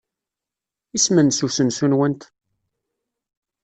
Isem-nnes usensu-nwent?